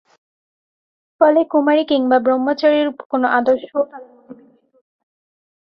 ফলে কুমারী কিম্বা ব্রহ্মচারীর কোন আদর্শ তাদের মধ্যে বিকশিত হতে পারেনি।